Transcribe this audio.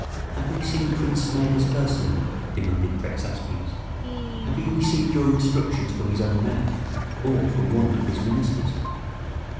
"Have you seen Prince Smerdis personally?" demanded Prexaspes. "Have you received your instructions from his own mouth, or from one of his ministers?"